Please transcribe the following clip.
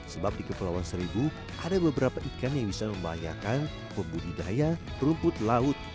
sebab di kepulauan seribu ada beberapa ikan yang bisa membahayakan pembudidaya rumput laut